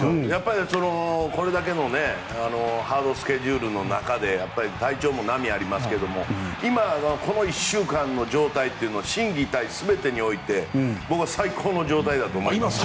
これだけのハードスケジュールの中で体調も波ありますけど今のこの１週間の状態は心技体、全てにおいて僕は最高の状態だと思います